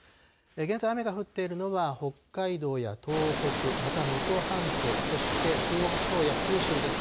現在、雨が降っているのは北海道や東北、また能登半島、そして中国地方や九州です。